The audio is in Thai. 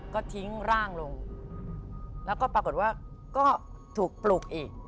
ก็ทิ้งร่างลงแล้วก็ปรากฏว่าก็ถูกปลุกอีก